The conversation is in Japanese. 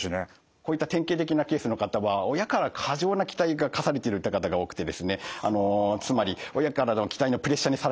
こういった典型的なケースの方は親から過剰な期待が課されているっていう方が多くてですねつまり親からの期待のプレッシャーにさらされる中